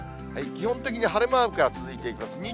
基本的に晴れマークが続いています。